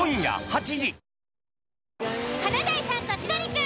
「華大さんと千鳥くん」。